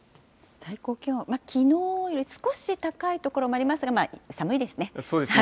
最高気温、きのうより少し高い所もありますが、寒いですね。